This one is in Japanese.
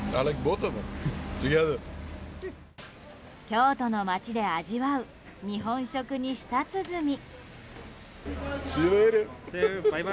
京都の街で味わう日本食に舌つづみ。